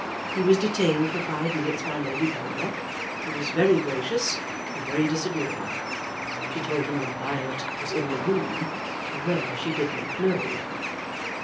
He was detained for five minutes by Lady Baldock, who was very gracious and very disagreeable. She told him that Violet was in the room, but where she did not know.